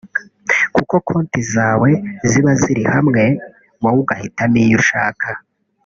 kuko konti zawe ziba ziri hamwe wowe ugahitamo iyo ushaka